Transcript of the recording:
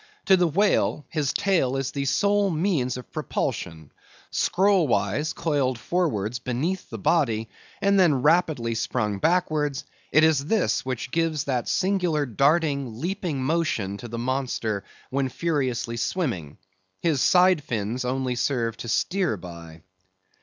To the whale, his tail is the sole means of propulsion. Scroll wise coiled forwards beneath the body, and then rapidly sprung backwards, it is this which gives that singular darting, leaping motion to the monster when furiously swimming. His side fins only serve to steer by.